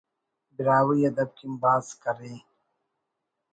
براہوئی ادب کن بھاز کرے